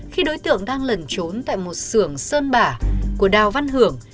khi đối tượng đang lẩn trốn tại một sưởng sơn bả của đào văn hưởng